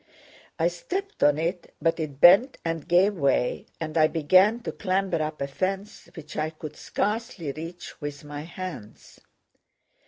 I stepped on it, but it bent and gave way and I began to clamber up a fence which I could scarcely reach with my hands.